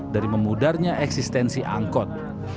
dari memudarnya eksistensi angkot